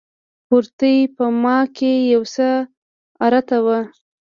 کورتۍ په ما کښې يو څه ارته وه.